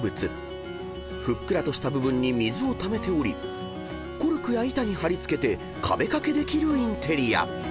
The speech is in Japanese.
［ふっくらとした部分に水をためておりコルクや板に張り付けて壁掛けできるインテリア］